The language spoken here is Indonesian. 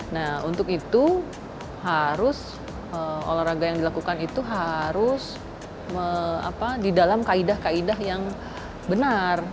nah untuk itu harus olahraga yang dilakukan itu harus di dalam kaedah kaedah yang benar